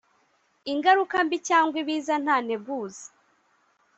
ingaruka mbi cyangwa ibiza nta nteguza